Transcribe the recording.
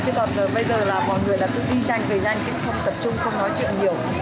còn bây giờ là mọi người là sự đi nhanh về nhanh chứ không tập trung không nói chuyện nhiều